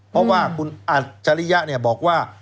เพราะว่าคุณอาจริยะเนี่ยบอกว่า